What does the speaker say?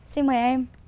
xin mời em